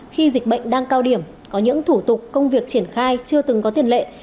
khi dịch bệnh đang cao điểm có những thủ tục công việc triển khai chưa từng có tiền lệ